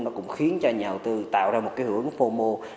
nó cũng khiến cho nhà đầu tư tạo ra một hưởng phô mô